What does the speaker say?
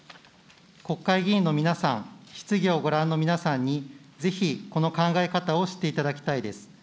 国会議員の皆さん、質疑をご覧の皆さんに、ぜひこの考え方を知っていただきたいです。